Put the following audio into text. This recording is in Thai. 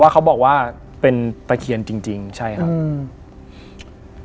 เขาบอกว่าเป็นประเคียนจริงใช่ครับ